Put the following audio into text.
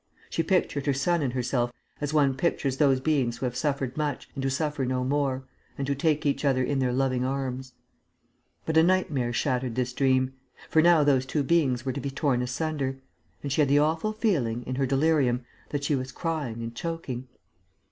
She pictured her son and herself as one pictures those beings who have suffered much and who suffer no more and who take each other in their loving arms. But a nightmare shattered this dream. For now those two beings were to be torn asunder; and she had the awful feeling, in her delirium, that she was crying and choking....